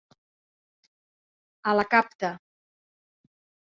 A la capta.